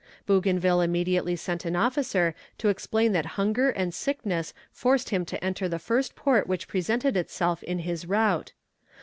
Bougainville immediately sent an officer to explain that hunger and sickness forced him to enter the first port which presented itself in his route.